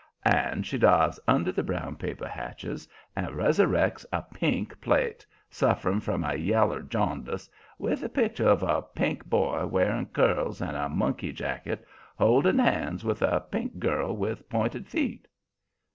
And she dives under the brown paper hatches and resurrects a pink plate, suffering from yaller jaundice, with the picture of a pink boy, wearing curls and a monkey jacket, holding hands with a pink girl with pointed feet.